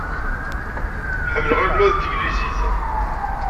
Ḥemmleɣ e- lmed n tenglizit.